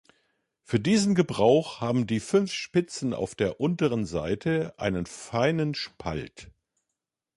Für diesen Gebrauch haben die fünf Spitzen auf der unteren Seite einen feinen Spalt.